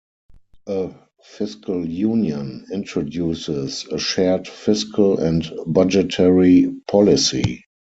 A "fiscal union" introduces a shared fiscal and budgetary policy.